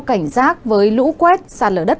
cảnh giác với lũ quét sàn lở đất